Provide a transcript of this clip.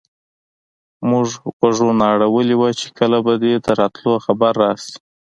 موږ غوږونه اړولي وو چې کله به دې د راتلو خبر راشي.